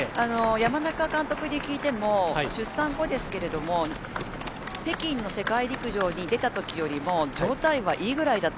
山中監督に聞いても出産後ですけど北京の世界陸上に出た時よりも状態はいいぐらいだと。